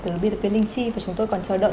bởi biên tập viên linh chi và chúng tôi còn chờ đợi